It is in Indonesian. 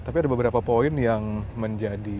tapi ada beberapa poin yang menjadi bahan